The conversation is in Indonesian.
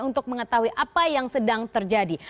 untuk mengetahui apa yang sedang terjadi